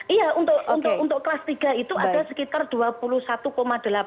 iya untuk kelas tiga itu ada sekitar dua puluh satu delapan persen